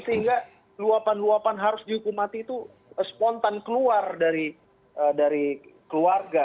sehingga luapan luapan harus dihukum mati itu spontan keluar dari keluarga